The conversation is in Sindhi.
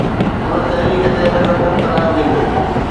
ان تحريڪ تي ريفرنڊم ڪرايو ويندو